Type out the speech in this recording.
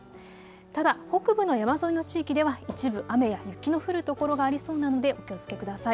ただ北部の山沿いの地域では一部雨や雪の降る所がありそうなのでお気をつけください。